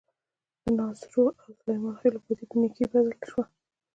د ناصرو او سلیمان خېلو بدۍ په نیکۍ بدله شوه.